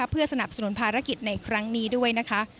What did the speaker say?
เพื่อสนับสนุนภารกิจในครั้งนี้ด้วยนะคะ